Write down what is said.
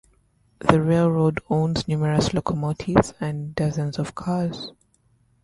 The railroad owns numerous locomotives and dozens of cars.